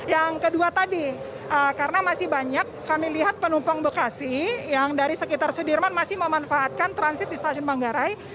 yang kedua tadi karena masih banyak kami lihat penumpang bekasi yang dari sekitar sudirman masih memanfaatkan transit di stasiun manggarai